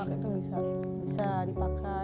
bisa dipakai nanti